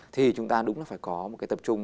thì chúng ta đúng là phải có một cái tập trung